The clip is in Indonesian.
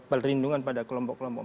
perlindungan pada kelompok kelompok